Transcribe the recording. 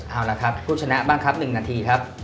เอาละครับผู้ชนะบ้างครับ๑นาทีครับ